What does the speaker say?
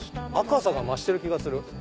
赤さが増してる気がする。